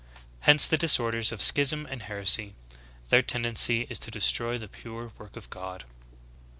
Hence the disorders of schism and heresy. Their tendency is to destroy the pure work of God."